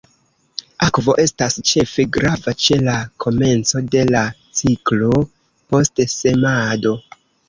Akvo estas ĉefe grava ĉe la komenco de la ciklo, post semado.